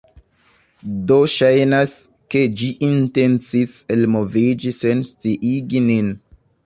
do ŝajnas, ke ĝi intencis elmoviĝi sen sciigi nin.